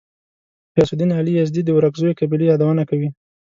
غیاث الدین علي یزدي د ورکزیو قبیلې یادونه کوي.